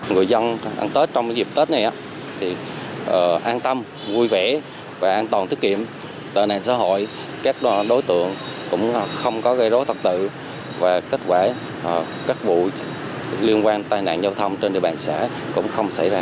người dân ăn tết trong dịp tết này thì an tâm vui vẻ và an toàn tiết kiệm tệ nạn xã hội các đối tượng cũng không có gây rối thật tự và kết quả các bụi liên quan tai nạn giao thông trên địa bàn xã cũng không xảy ra